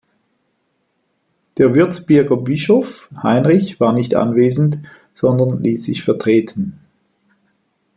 Der Würzburger Bischof Heinrich war nicht anwesend, sondern ließ sich vertreten.